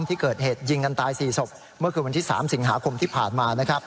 ที่เกิดเหตุยิงกันตาย๔ศพเมื่อคืนวันที่๓สิงหาคมที่ผ่านมา